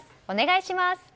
お願いします。